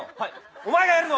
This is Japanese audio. お前がやるの。